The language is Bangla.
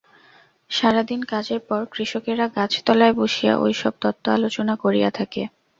সারাদিন কাজের পর কৃষকেরা গাছতলায় বসিয়া ঐ-সব তত্ত্ব আলোচনা করিয়া থাকে।